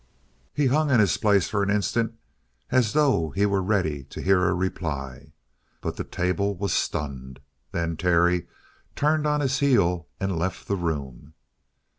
He hung in his place for an instant as though he were ready to hear a reply. But the table was stunned. Then Terry turned on his heel and left the room.